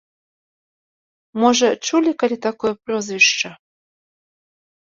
Можа, чулі калі такое прозвішча?